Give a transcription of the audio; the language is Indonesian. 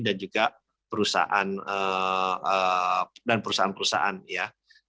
dan juga perusahaan perusahaan ya